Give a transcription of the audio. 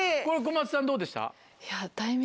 これ小松さんどうでした？